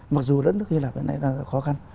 mặc dù lẫn nước hy lạp này là khó khăn